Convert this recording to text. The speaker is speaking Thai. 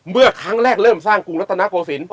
เมื่อครั้งแรกเริ่มสร้างกรุงรัฐนาโกศิลป์